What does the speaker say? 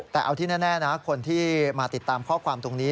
แต่เอาที่แน่นะคนที่มาติดตามข้อความตรงนี้